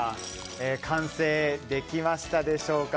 完成できましたでしょうか。